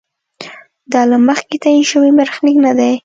دا له مخکې تعین شوی برخلیک نه دی.